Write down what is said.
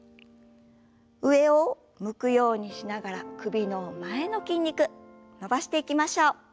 上を向くようにしながら首の前の筋肉伸ばしていきましょう。